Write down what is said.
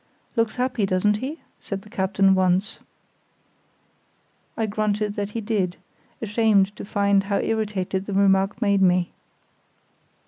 "Looks happy, doesn't he?" said the captain once. I grunted that he did, ashamed to find how irritated the remark made me.